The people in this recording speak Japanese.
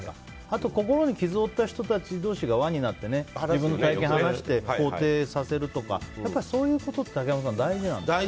あと、心に傷を負った人同士が輪になって、自分の体験を話して肯定させるとかそういうことって竹山さん、大事なんですね。